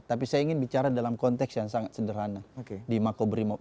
tapi saya ingin bicara dalam konteks yang sangat sederhana di makobrimob